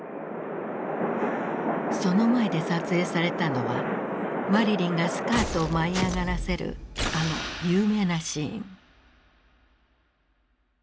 その前で撮影されたのはマリリンがスカートを舞い上がらせるあの有名なシーン。